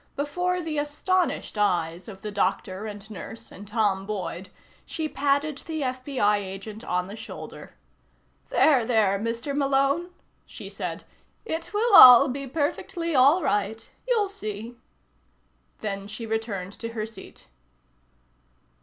Before the astonished eyes of the doctor and nurse, and Tom Boyd, she patted the FBI agent on the shoulder. "There, there, Mr. Malone," she said. "It will all be perfectly all right. You'll see." Then she returned to her seat.